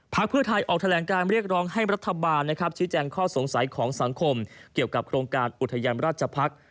เพื่อไทยออกแถลงการเรียกร้องให้รัฐบาลชี้แจงข้อสงสัยของสังคมเกี่ยวกับโครงการอุทยานราชภักษ์